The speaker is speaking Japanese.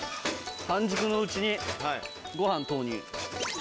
半熟のうちにご飯投入。